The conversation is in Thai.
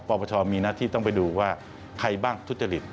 ปปชมีหน้าที่ต้องไปดูว่าใครบ้างทุจริต